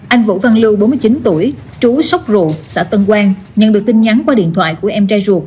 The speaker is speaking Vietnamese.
anh vũ văn lưu bốn mươi chín tuổi trú sốc rụ xã tân quang nhận được tin nhắn qua điện thoại của em trai ruột